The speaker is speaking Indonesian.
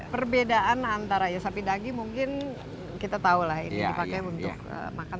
perbedaan antara ya sapi daging mungkin kita tahu lah ini dipakai untuk makan